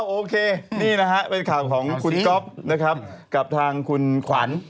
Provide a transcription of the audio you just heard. โอเคนี่นะครับเป็นข่าวของคุณก๊อบกับทางคุณขวัญ